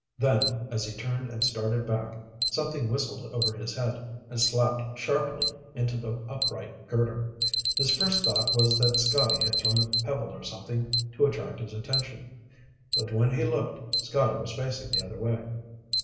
Then, as he turned and started back, something whistled over his head and slapped sharply into the upright girder. His first thought was that Scotty had thrown a pebble or something to attract his attention, but when he looked, Scotty was facing the other way.